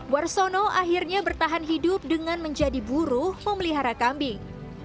warsono akhirnya bertahan hidup dengan menjadi buruh memelihara kambing